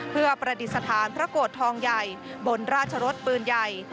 เพื่อประดิษฐานพระโกรธทองใหญ่บนราชรสปืนใหญ่